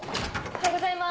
おはようございます！